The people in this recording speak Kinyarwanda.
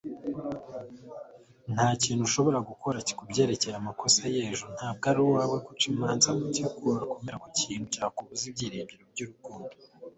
ntakintu ushobora gukora kubyerekeye amakosa y'ejo ntabwo ari uwawe guca imanza kuki wakomera ku kintu cyakubuza ibyiringiro n'urukundo